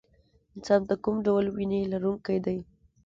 انسان د کوم ډول وینې لرونکی دی